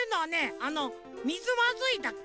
あの「みずまずい」だっけ？